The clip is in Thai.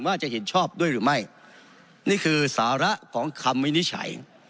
ว่าจะเห็นชอบด้วยหรือไม่นี่คือสาระของคำวินิจฉัย